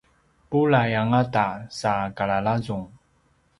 bulai angata sa kalalazung